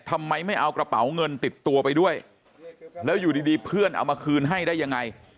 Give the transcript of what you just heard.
ทำไมไม่เอากระเป๋าเงินติดตัวไปด้วยแล้วอยู่ดีเพื่อนเอามาคืนให้ได้ยังไง